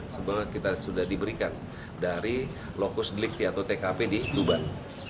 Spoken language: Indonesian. sebenarnya kita sudah diberikan dari lokus deliknya atau tkp di tuban